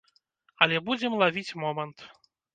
Але будзем лавіць момант.